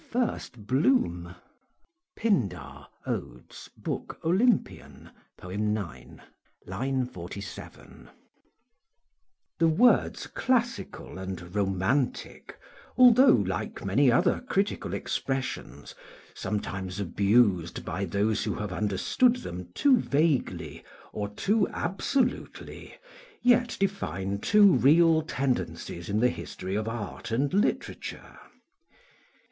1886. POSTSCRIPT ainei de palaion men oinon, anthea d' hymnon neôterôn+ THE words, classical and romantic, although, like many other critical expressions, sometimes abused by those who have understood them too vaguely or too absolutely, yet define two real tendencies in the history of art and literature.